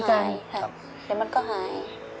เดี๋ยวมันก็หาย